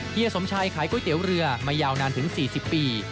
เฮีสมชายขายก๋วยเตี๋ยวเรือมายาวนานถึง๔๐ปี